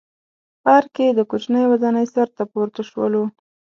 پارک کې د کوچنۍ ودانۍ سر ته پورته شولو.